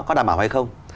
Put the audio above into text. có đảm bảo hay không